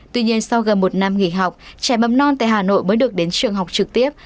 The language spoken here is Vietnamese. tuy nhiên sau gần một năm nghỉ học trẻ mầm non tại hà nội mới được đến trường học trực tiếp